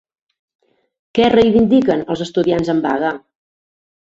Què reivindiquen els estudiants en vaga?